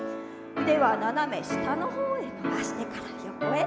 腕は斜め下のほうへ伸ばしてから横へ。